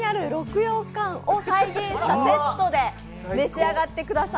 曜舘を再現したセットで召し上がってください。